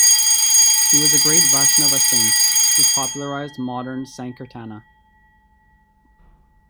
He was a great Vaishnava saint, who popularized modern sankirtana.